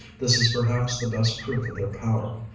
This is perhaps the best proof of their power.